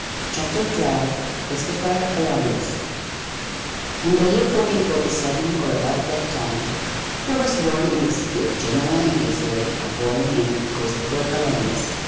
CHAPTER XII CHRISTOPHER COLUMBUS In the year 1447, or about that time, there was born in the city of Genoa in Italy a boy named Christopher Columbus.